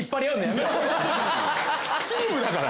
チームだから！